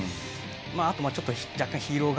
あとまあちょっと。